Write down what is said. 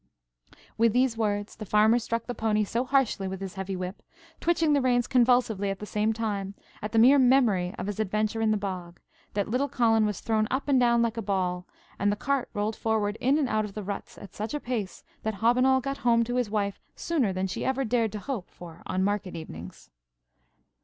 With these words the Farmer struck the pony so harshly with his heavy whip, twitching the reins convulsively at the same time, at the mere memory of his adventure in the bog, that little Colin was thrown up and down like a ball, and the cart rolled forward in and out of the ruts at such a pace, that Hobbinoll got home to his wife sooner than she ever dared to hope for on market evenings.